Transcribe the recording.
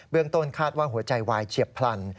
ต้นคาดว่าหัวใจวายเฉียบพลัน